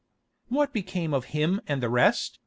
"What became of him and the rest?"